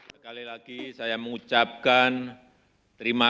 sekali lagi saya mengucapkan terima kasih